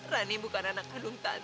rani bukan anak handung tante